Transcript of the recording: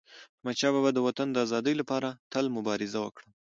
احمدشاه بابا د وطن د ازادی لپاره تل مبارزه وکړه.